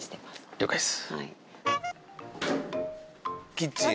了解っす。